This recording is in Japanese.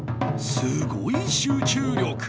すごい集中力。